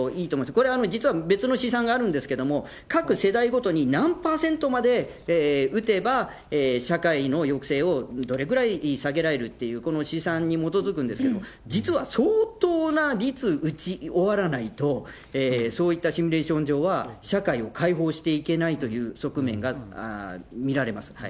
これは実は別の試算があるんですけれども、各世代ごとに何％まで打てば、社会の抑制をどれぐらい下げられるっていう、この試算に基づくんですけれども、実は相当な率、打ち終わらないと、そういったシミュレーション上は、社会を開放していけないという側面が見られます。